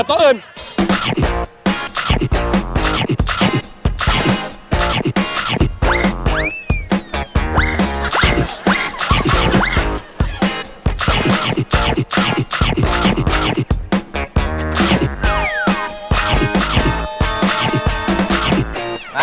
โอ้โฮ